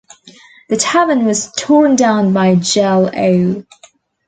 The Tavern was torn down by Jell-O.